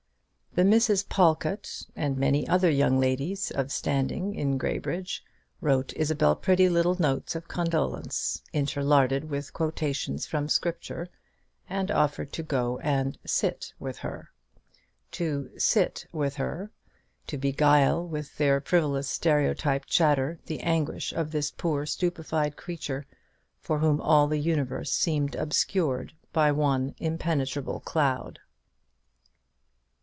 The Misses Pawlkatt, and many other young ladies of standing in Graybridge, wrote Isabel pretty little notes of condolence, interlarded with quotations from Scripture, and offered to go and "sit with her." To "sit with her;" to beguile with their frivolous stereotype chatter the anguish of this poor stupefied creature, for whom all the universe seemed obscured by one impenetrable cloud.